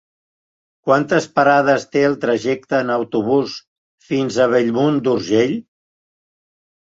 Quantes parades té el trajecte en autobús fins a Bellmunt d'Urgell?